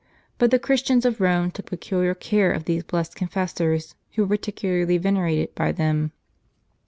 But the Christians of Eome took peculiar care of these blessed confessors, who were particularly venerated by them.